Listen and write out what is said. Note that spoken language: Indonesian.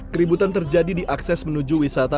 keributan terjadi di akses menuju wisata